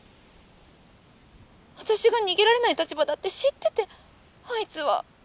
私が逃げられない立場だって知っててあいつは」。